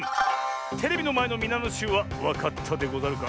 テレビのまえのみなのしゅうはわかったでござるか？